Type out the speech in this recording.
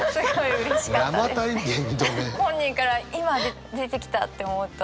本人から今出てきたって思うと。